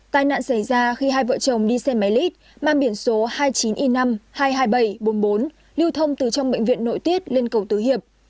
tai nạn xảy ra khi hai vợ chồng đi xe máy lit mang biển số hai mươi chín i năm hai nghìn bảy trăm bốn mươi bốn lưu thông từ trong bệnh viện nội tiết lên cầu tứ hiệp